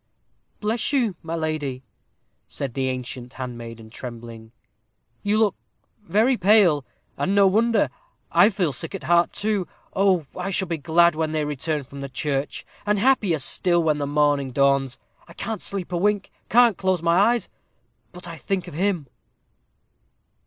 "Bless you, my lady," said the ancient handmaiden, trembling, "you look very pale, and no wonder. I feel sick at heart, too. Oh! I shall be glad when they return from the church, and happier still when the morning dawns. I can't sleep a wink can't close my eyes, but I think of him."